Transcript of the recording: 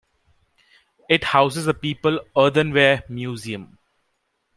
It houses thePeople Earthenware Museum.